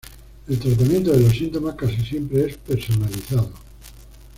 El tratamiento de los síntomas casi siempre es personalizado.